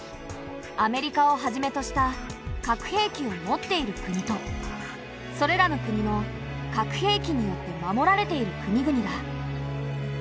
アメリカをはじめとした核兵器を持っている国とそれらの国の核兵器によって守られている国々だ。